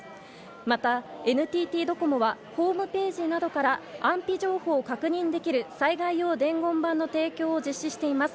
また、ＮＴＴドコモはホームページなどから安否情報を確認できる災害用伝言板の提供を実施しています。